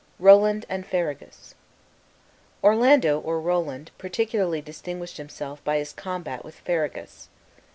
] ROLAND AND FERRAGUS Orlando, or Roland, particularly distinguished himself by his combat with Ferragus.